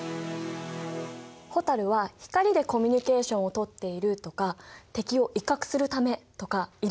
蛍は光でコミュニケーションを取っているとか敵を威嚇するためとかいろいろな説があるんだ。